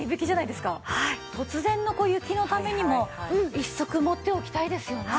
突然の雪のためにも１足持っておきたいですよね。